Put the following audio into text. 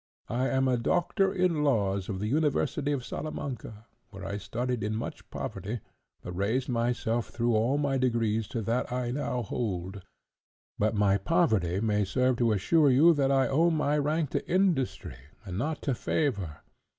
I am a doctor in laws of the university of Salamanca, where I studied in much poverty, but raised myself through all the degrees to that I now hold; but my poverty may serve to assure you that I owe my rank to industry and not to favour.